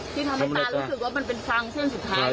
ที่ทำให้ตานิดนึงมีความเส้นสุขทาง